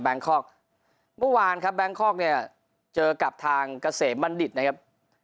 คอกเมื่อวานครับแบงคอกเนี่ยเจอกับทางเกษมบัณฑิตนะครับ